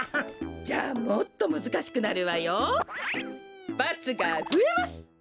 じゃあもっとむずかしくなるわよ。×がふえます。